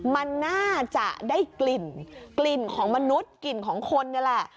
มันน่าจะได้กลิ่นกลิ่นของมนุษย์กลิ่นของคนนี่แหละ